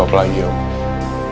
gak perlu dijawab lagi om